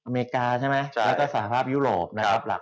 อเมริกาใช่ไหมแล้วก็สหภาพยุโรปนะครับ